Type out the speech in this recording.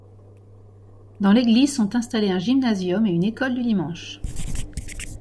Dans l'église sont installés un gymnasium et une école du dimanche.